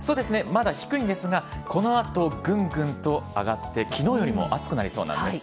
まだ低いんですがこの後ぐんぐんと上がって昨日よりも暑くなりそうです。